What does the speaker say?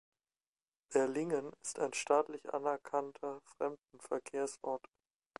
Berlingen ist ein staatlich anerkannter Fremdenverkehrsort.